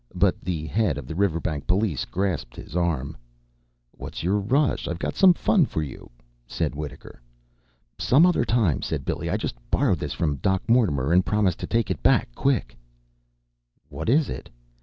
but the head of the Riverbank police grasped his arm. "What's your rush? I've got some fun for you," said Wittaker. "Some other time," said Billy. "I just borrowed this from Doc Mortimer and promised to take it back quick." "What is it?"